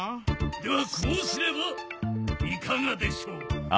ではこうすればいかがでしょう？